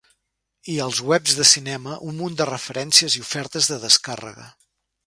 I als webs de cinema, un munt de referències i ofertes de descàrrega.